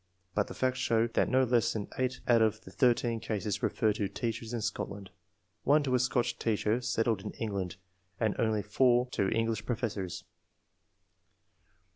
But the facts show that no less than 8 out of the 13 cases refer to teachers in Scotland, 1 to a Scotch teacher settled in Enghmd, and only 4 to English professors.